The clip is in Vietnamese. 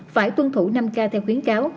phải tuân thủ năm k theo khuyến cáo